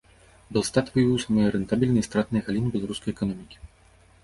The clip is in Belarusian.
Белстат выявіў самыя рэнтабельныя і стратныя галіны беларускай эканомікі.